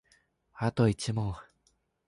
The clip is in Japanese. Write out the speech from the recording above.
あと一問